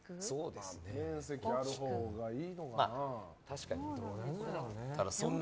面積あるほうがいいのかな。